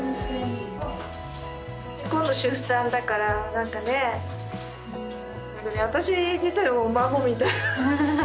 今度出産だからなんかね私自体の孫みたい。